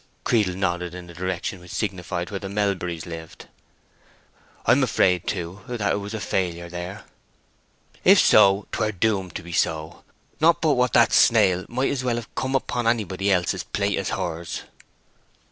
Creedle nodded in a direction which signified where the Melburys lived. "I'm afraid, too, that it was a failure there!" "If so, 'twere doomed to be so. Not but what that snail might as well have come upon anybody else's plate as hers."